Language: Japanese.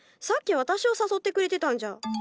さっき私を誘ってくれてたんじゃ？